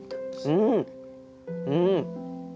うんうん。